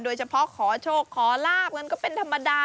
โดยเฉพาะขอโชคขอลาบกันก็เป็นธรรมดา